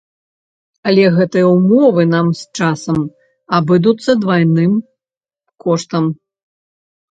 Але гэтыя ўмовы нам з часам абыдуцца двайны коштам.